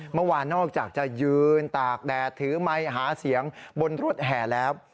เมื่อวานนอกจากจะยืนตากแดดถือไมค์หาเสียงบนรถแห่แล้ว